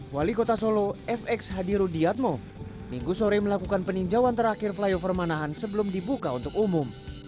wali kota solo fx hadi rudiatmo minggu sore melakukan peninjauan terakhir flyover manahan sebelum dibuka untuk umum